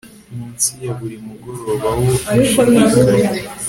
munsi ya buri mugoroba wo gushidikanya